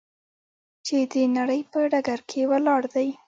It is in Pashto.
چې د نړۍ په ډګر کې ولاړ دی.